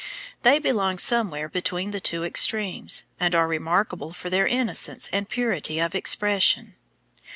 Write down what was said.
They belong somewhere between the two extremes, and are remarkable for their innocence and purity of expression.